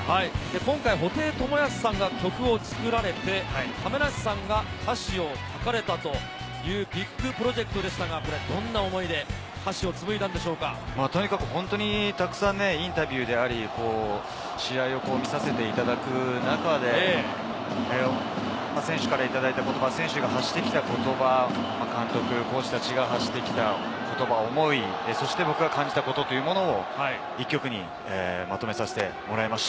今回、布袋寅泰さんが曲を作られて、亀梨さんが歌詞を書かれたというビッグプロジェクトでしたが、どんな思いで歌詞をたくさんインタビューであり、試合を見させていただく中で、選手からいただいた言葉、選手が発してきた言葉、監督選手たちが発してきた言葉、思い、そして僕が感じた思いを１曲にまとめさせてもらいました。